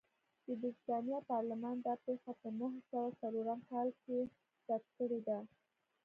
د برېټانیا پارلمان دا پېښه په نهه سوه څلورم کال کې ثبت کړې ده.